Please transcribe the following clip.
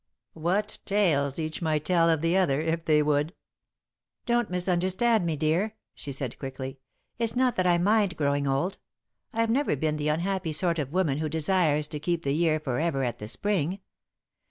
"What tales each might tell of the other, if they would!" "Don't misunderstand me, dear," she said, quickly. "It's not that I mind growing old. I've never been the unhappy sort of woman who desires to keep the year for ever at the Spring.